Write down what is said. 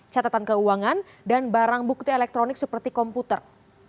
catatan keuangan dan barang bukti elektronik seperti komputer